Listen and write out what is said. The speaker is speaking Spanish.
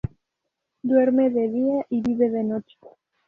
Duerme de día y vive de noche.